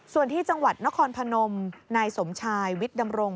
ส่วนที่จังหวัดนครพนมนายสมชายวิทย์ดำรง